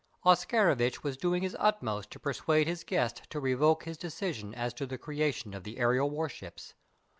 Oscarovitch was doing his utmost to persuade his guest to revoke his decision as to the creation of the aerial warships.